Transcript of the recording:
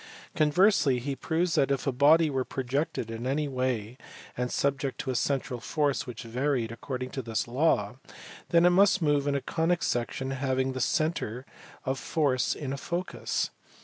Conversely he proves that, if a body were projected in any way and subject to a central force which varied according to this law, then it must move in a conic section having tue centre of force in a focus.